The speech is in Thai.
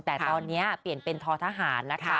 แต่ตอนนี้เปลี่ยนเป็นทอทหารนะคะ